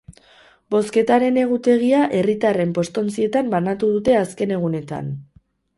Bozketaren egutegia herritarren postontzietan banatu dute azken egunetan.